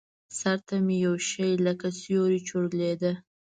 سر ته مې يو شى لکه سيورى چورلېده.